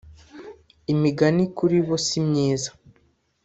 imigani kuri bo si myiza